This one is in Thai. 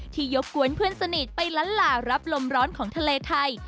ยกกวนเพื่อนสนิทไปล้านหลารับลมร้อนของทะเลไทย